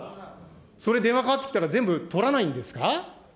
それ、電話かかってきたら全部取らないんですか。